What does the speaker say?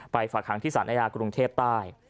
ฝากหางที่สารอาญากรุงเทพใต้